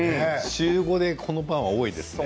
週５でこのパンは多いですね。